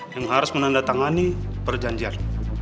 yang harus menandatangani perjanjian